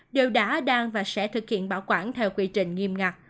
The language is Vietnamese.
đều đã đang và sẽ thực hiện bảo quản theo quy trình nghiêm ngặt